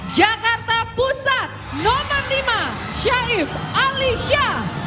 jakarta pusat nomor lima syaif alisya